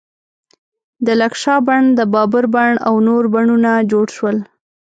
د لکشا بڼ، د بابر بڼ او نور بڼونه جوړ شول.